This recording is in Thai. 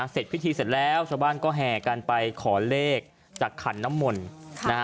เสร็จพิธีเสร็จแล้วชาวบ้านก็แห่กันไปขอเลขจากขันน้ำมนต์นะฮะ